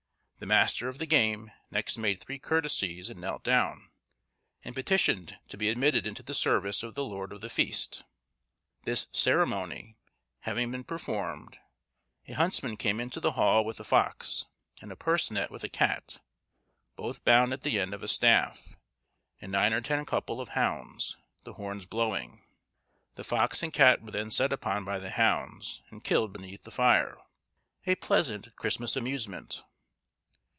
The master of the game next made three courtesies and knelt down, and petitioned to be admitted into the service of the lord of the feast. This ceremony having been performed, a huntsman came into the hall with a fox, and a purse net with a cat, both bound at the end of a staff, and nine or ten couple of hounds, the horns blowing. The fox and cat were then set upon by the hounds, and killed beneath the fire; a pleasant Christmas amusement.